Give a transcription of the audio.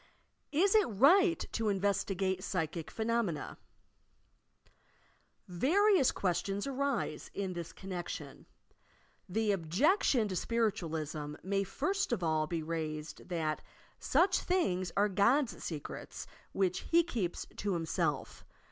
IS IT RIGHT TO INVESTIGATE PSTCHIC PHENOMENA t Various questions arise in this connectioQ: The objection to Spiritualism may first of all be raised that "such things are God's secrets which He keeps to Himself.